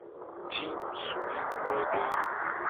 Ji ngusuvi nyoede.